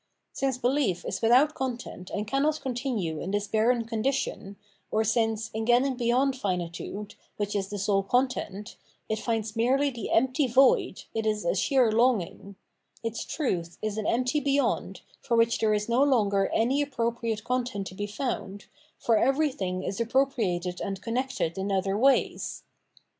Since behef is without content and cannot continue in this barren condition, or since, in getting beyond finitude, which is the sole content, it finds merely the empty void, it is a sheer longing : its truth is an empty beyond, for which there is no longer any appropriate content to be found, for everything is appropriated and connected in other ways.